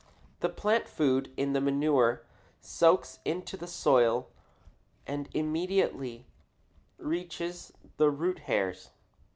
The plant food in the manure soaks into the soil and immediately reaches the root hairs.